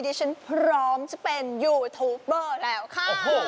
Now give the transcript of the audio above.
ดิฉันพร้อมจะเป็นยูทูปเบอร์แล้วค่ะ